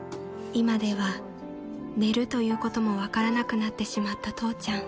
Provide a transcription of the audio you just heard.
［今では寝るということも分からなくなってしまった父ちゃん］